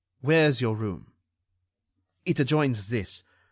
"Where is your room?" "It adjoins this.